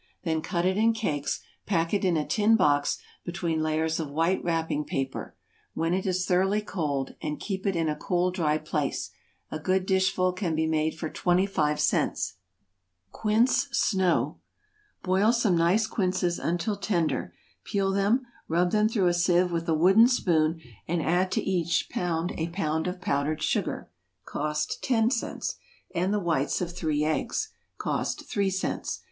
Then cut it in cakes, pack it in a tin box, between layers of white wrapping paper, when it is thoroughly cold, and keep it in a cool, dry place. A good dishful can be made for twenty five cents. =Quince Snow.= Boil some nice quinces until tender, peel them, rub them through a sieve with a wooden spoon, and add to each pound a pound of powdered sugar, (cost ten cents,) and the whites of three eggs, (cost three cents.)